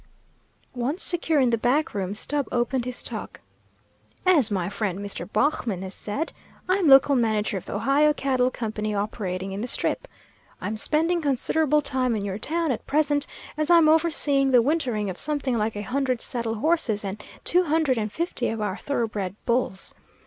Once secure in the back room, Stubb opened his talk. "As my friend Mr. Baughman has said, I'm local manager of the Ohio Cattle Company operating in the Strip. I'm spending considerable time in your town at present, as I'm overseeing the wintering of something like a hundred saddle horses and two hundred and fifty of our thoroughbred bulls.